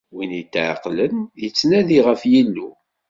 Win yetɛeqqlen, yettnadin ɣef Yillu.